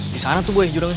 disana tuh boy jurangnya